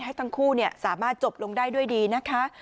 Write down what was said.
ให้ทั้งคู่สามารถจบลงได้ด้วยดีนะคะ